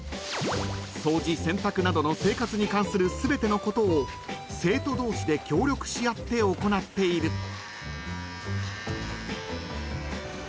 ［掃除洗濯などの生活に関する全てのことを生徒同士で協力し合って行っている］